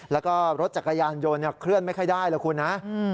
แล้วก็รถจักรยานยนต์เคลื่อนไม่ค่อยได้แล้วคุณนะ